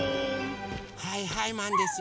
はいはいマンですよ！